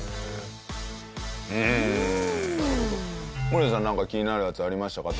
守屋さんなんか気になるやつありましたか？